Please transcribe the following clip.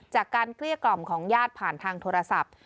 เกลี้ยกล่อมของญาติผ่านทางโทรศัพท์